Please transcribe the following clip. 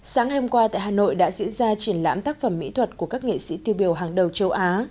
sáng hôm qua tại hà nội đã diễn ra triển lãm tác phẩm mỹ thuật của các nghệ sĩ tiêu biểu hàng đầu châu á